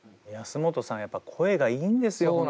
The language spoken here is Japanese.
安本さんやっぱ声がいいんですよ